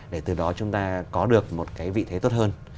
để từ đó chúng ta có được một cái vị thế tốt hơn